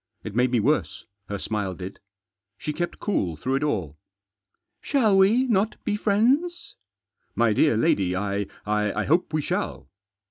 It made me worse, her smile did. She kept cool through it all. " Shall we not be friends ?"" My dear lady, I — I hope we shall."